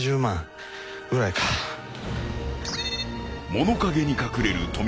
［物陰に隠れる富澤］